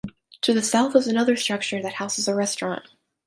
To the south is another structure that houses a restaurant.